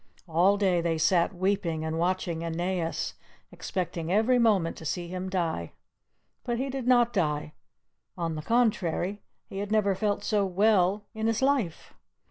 All day they sat weeping and watching Aeneas, expecting every moment to see him die. But he did not die; on the contrary he had never felt so well in his life.